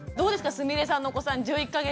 すみれさんのお子さん１１か月ですけれども。